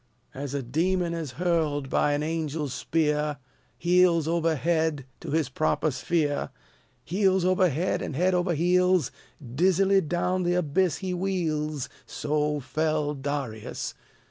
As a demon is hurled by an angel's spear, Heels over head, to his proper sphere, Heels over head and head over heels, Dizzily down the abyss he wheels, So fell Darius.